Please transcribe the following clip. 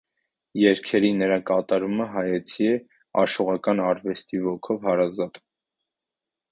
Երգերի նրա կատարումը հայեցի է, աշուղական արվեստի ոգուն հարազատ։